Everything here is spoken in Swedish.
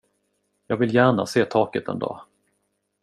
Jag vill gärna se taket en dag.